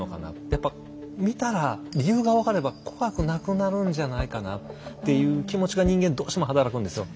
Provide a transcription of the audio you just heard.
やっぱ見たら理由が分かれば怖くなくなるんじゃないかなっていう気持ちが人間どうしても働くんですよ。